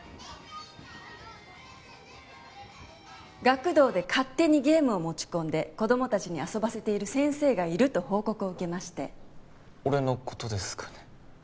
学童で勝手にゲームを持ち込んで子供達に遊ばせている先生がいると報告を受けまして俺のことですかね？